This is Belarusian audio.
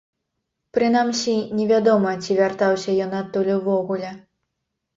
Прынамсі, не вядома, ці вяртаўся ён адтуль увогуле.